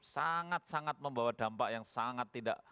sangat sangat membawa dampak yang sangat tidak